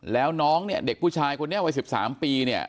แล้วน้องเนี่ยเด็กผู้ชายคนนี้วัย๑๓ปีเนี่ย